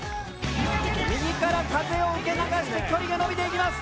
右から風を受け流して距離が伸びていきます。